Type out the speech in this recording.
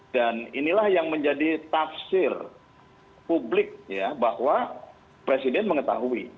dan inilah yang menjadi tafsir publik ya bahwa presiden mengetahui